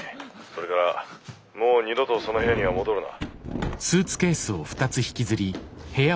それからもう二度とその部屋には戻るな。